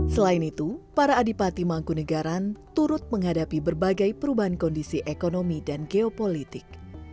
selain itu para adipati mangkunegaran turut menghadapi berbagai perubahan kondisi ekonomi dan geopolitik